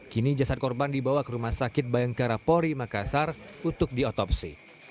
kini jasad korban dibawa ke rumah sakit bayangkara pori makassar untuk diotopsi